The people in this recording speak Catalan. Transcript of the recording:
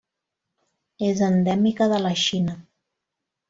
És endèmica de la Xina.